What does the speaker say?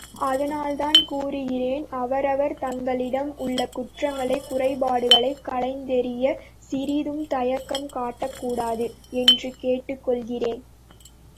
அதனால்தான் கூறுகிறேன், அவரவர் தங்களிடம் உள்ள குற்றங்களை, குறைபாடுகளைக் களைந்தெறியச் சிறிதும் தயக்கம் காட்டக்கூடாது என்று கேட்டுக் கொள்கிறேன்.